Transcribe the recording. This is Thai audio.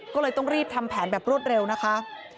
ก็เลยต้องรีบทำแผนแบบรวดเร็วนะคะ